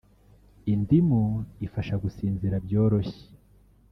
Indimu ifasha gusinzira byoroshye